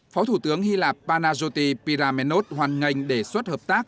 phó thủ tướng hy lạp panagioti pyramenot hoàn ngành đề xuất hợp tác